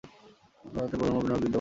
উহা প্রথম হইতে পূর্ণভাবেই বিদ্যমান ছিল।